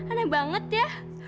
aneh banget ya